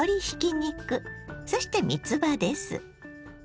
そしてみつばです。